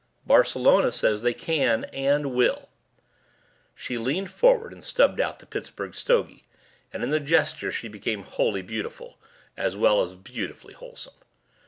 "Barcelona says they can. And will." She leaned forward and stubbed out the Pittsburgh stogie and in the gesture she became wholly beautiful as well as beautifully wholesome.